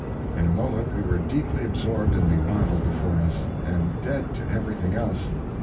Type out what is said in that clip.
In a moment we were deeply absorbed in the marvel before us, and dead to everything else.